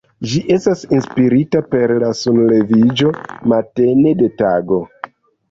Ĝi estas inspirita per la sunleviĝo matene de tago.